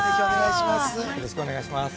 ◆よろしくお願いします。